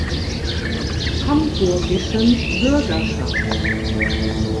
Hamburgischen Bürgerschaft.